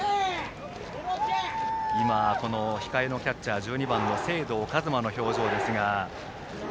控えのキャッチャー１２番の清藤和真の表情ですが。